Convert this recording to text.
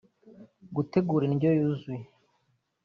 gutegura indyo yuzuye